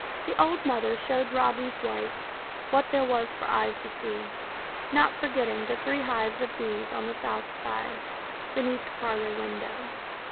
The old mother showed Rodney's wife what there was for eyes to see, not forgetting the three hives of bees on the south side, beneath the parlor window.